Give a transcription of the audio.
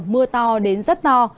mưa to đến rất to